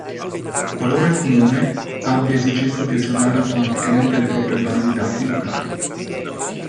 Qualora il Comune abbia esigenza di aggiornare automaticamente le proprie basi dati locali.